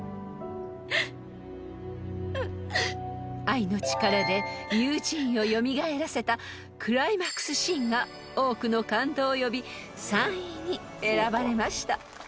［愛の力でユージーンを蘇らせたクライマックスシーンが多くの感動を呼び３位に選ばれました］